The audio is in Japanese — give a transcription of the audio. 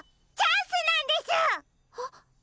あっ。